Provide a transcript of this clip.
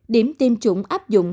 điểm tiêm chủng áp dụng